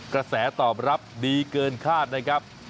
กระแสตอบรับดีเกินคาดนะครับ